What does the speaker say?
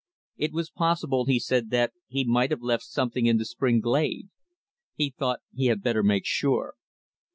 It was possible, he said, that he might have left something in the spring glade. He thought he had better make sure.